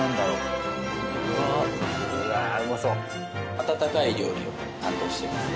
温かい料理を担当しています。